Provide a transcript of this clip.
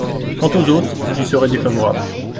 Quant aux autres, j’y serais défavorable.